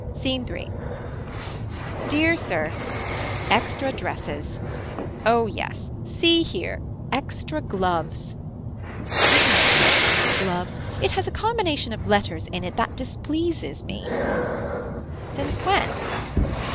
Scene 3. Dear Sir. Extra dresses. Oh yes. See here. Extra gloves. I do not like the word gloves it has a combination of letters in it that displeases me. Since when.